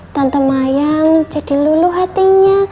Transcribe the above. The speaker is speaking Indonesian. tante mayang jadi luluh hatinya